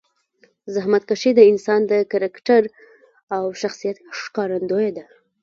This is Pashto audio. زحمتکشي د انسان د کرکټر او شخصیت ښکارندویه ده.